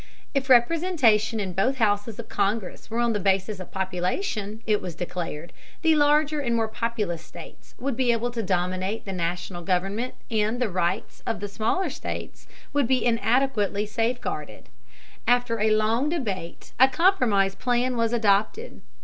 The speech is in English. If representation in both houses of Congress were on the basis of population, it was declared, the larger and more populous states would be able to dominate the National government and the rights of the smaller states would be inadequately safeguarded. After a long debate a compromise plan was adopted.